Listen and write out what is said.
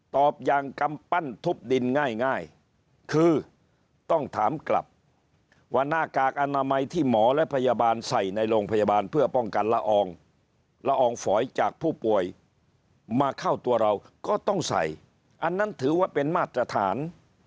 ยางกำปั้นทุบดินง่ายคือต้องถามกลับว่าหน้ากากอนามัยที่หมอและพยาบาลใส่ในโรงพยาบาลเพื่อป้องกันละอองละอองฝอยจากผู้ป่วยมาเข้าตัวเราก็ต้องใส่อันนั้นถือว่าเป็นมาตรฐาน